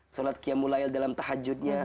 sholat kiamulayl dalam tahajudnya